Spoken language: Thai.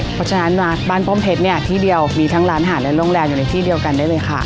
เพราะฉะนั้นบ้านป้อมเพชรเนี่ยที่เดียวมีทั้งร้านหาดและโรงแรมอยู่ในที่เดียวกันได้เลยค่ะ